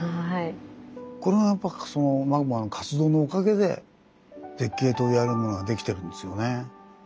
これがやっぱそのマグマの活動のおかげで絶景といわれるものができてるんですよね。